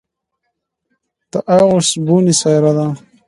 د ایرېس بونې سیاره ده.